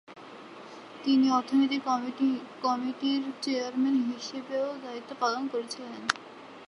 তিনি অর্থনীতি কমিটির চেয়ারম্যান হিসাবেও দায়িত্ব পালন করেছিলেন।